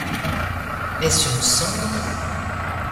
Est-ce une cendre ?